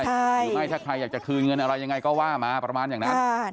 หรือไม่ถ้าใครอยากจะคืนเงินอะไรยังไงก็ว่ามาประมาณอย่างนั้น